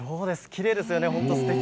きれいですよね。